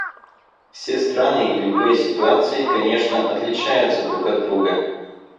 Все страны и любые ситуации, конечно, отличаются друг от друга.